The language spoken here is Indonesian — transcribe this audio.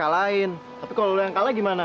tapi kalau lo yang kalah gimana